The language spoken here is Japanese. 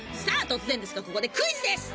突然ですがここでクイズです！